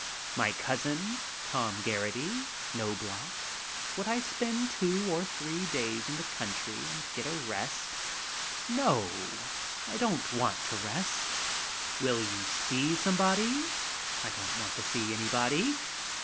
My cousin, Tom Geraghty, Knobloch — would I spend two or three days in the country and get a rest ? No. I don't want to rest. Will you see somebody? I don't want to see any I ARRIVE IN LONDON 53 body.